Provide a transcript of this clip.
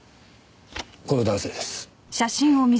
この男性です。